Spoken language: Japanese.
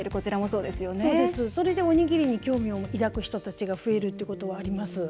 それで、おにぎりに興味を抱く人たちが増えるということはあります。